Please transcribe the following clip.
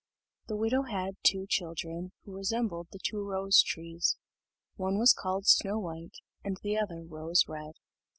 The widow had two children, who resembled the two rose trees: one was called Snow white, and the other Rose red.